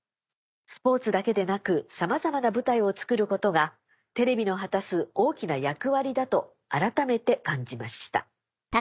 スポーツだけでなくさまざまな舞台をつくることがテレビの果たす大きな役割だと改めて感じました」。